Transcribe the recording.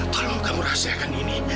tolong kamu rahasiakan ini